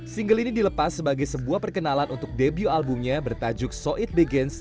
single ini dilepas sebagai sebuah perkenalan untuk debut albumnya bertajuk so it begins